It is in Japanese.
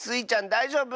だいじょうぶ？